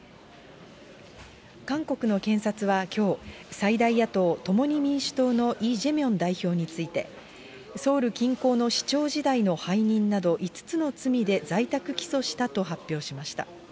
韓国の検察はきょう、最大野党・共に民主党のイ・ジェミョン代表について、ソウル近郊の市長時代の背任など５つの罪で在宅起訴したと発表しました。